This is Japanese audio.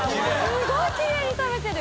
すごいきれいに食べてる！